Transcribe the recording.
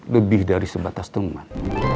lebih dari sebatas teman